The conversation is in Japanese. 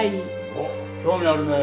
おっ興味あるね。